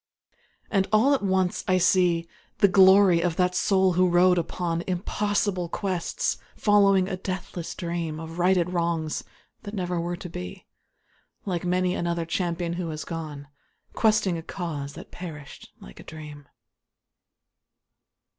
And all at once I see The glory of that soul who rode upon Impossible quests, following a deathless dream Of righted wrongs, that never were to be, Like many another champion who has gone Questing a cause that perished like a dream.